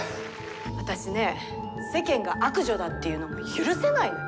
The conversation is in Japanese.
私ね世間が悪女だって言うの許せないのよ。